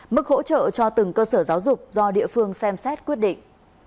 mức hỗ trợ cho từng cơ sở giáo dục do địa phương xem xét quyết định